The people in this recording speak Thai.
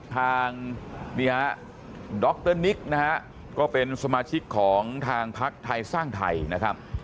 นี่ฮะดรนิกนะฮะก็เป็นสมาชิกของทางพักไทยสร้างไทยนะครับ